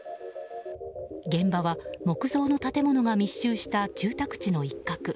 現場は木造の建物が密集した住宅地の一角。